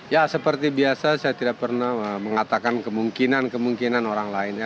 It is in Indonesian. ya seperti biasa saya tidak pernah mengatakan kemungkinan kemungkinan orang lain ya